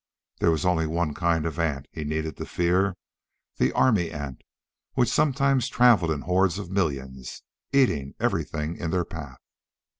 There was only one kind of ant he needed to fear the army ant, which sometimes traveled in hordes of millions, eating everything in their path.